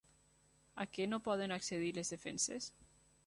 A què no poden accedir les defenses?